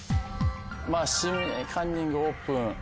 「指名カンニング」「オープン」。